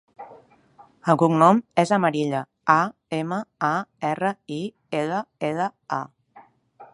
El cognom és Amarilla: a, ema, a, erra, i, ela, ela, a.